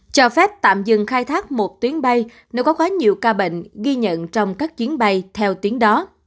cho phép tạm dừng khai thác một tuyến bay nếu có quá nhiều ca bệnh ghi nhận trong các chuyến bay theo tuyến đó